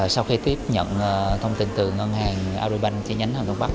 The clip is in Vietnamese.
sau khi tiếp nhận thông tin từ ngân hàng agribank chi nhánh hàm thuận bắc